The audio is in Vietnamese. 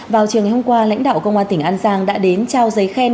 vào chiều ngày hôm qua lãnh đạo công an tỉnh an giang đã đến trao giấy khen